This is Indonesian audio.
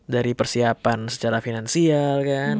dari persiapan secara finansial kan